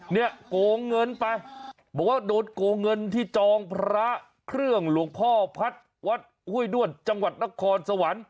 โกงเงินไปบอกว่าโดนโกงเงินที่จองพระเครื่องหลวงพ่อพัฒน์วัดห้วยด้วนจังหวัดนครสวรรค์